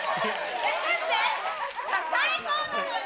最高なのに。